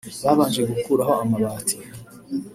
babanje gukuraho amabati